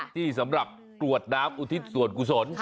ที่สำหรับกรวดน้ำอุทิศส่วนกุศล